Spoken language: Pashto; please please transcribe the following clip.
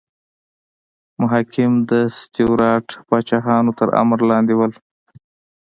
محاکم د سټیورات پاچاهانو تر امر لاندې وو.